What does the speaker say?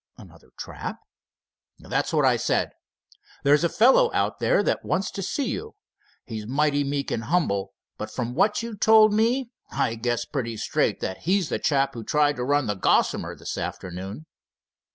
"Another trap?" "That's what I said. There's a fellow out there that wants to see you. He's mighty meek and humble, but from what you told me I guess pretty straight that he's the chap who tried to run the Gossamer this afternoon."